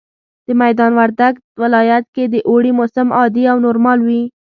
د ميدان وردګ ولايت کي د اوړي موسم عادي او نورمال وي